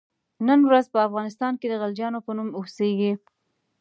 نن ورځ په افغانستان کې د غلجیانو په نوم اوسیږي.